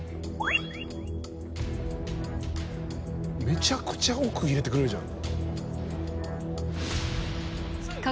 めちゃくちゃ奥入れてくれるじゃん。